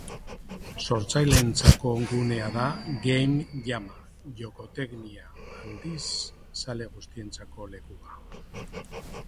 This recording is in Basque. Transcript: Sortzaileentzako gunea da Game Jama, Jokoteknia, aldiz, zale guztientzako lekua